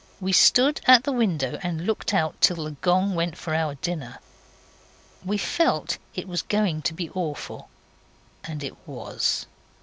We stood at the window and looked out till the gong went for our dinner. We felt it was going to be awful and it was.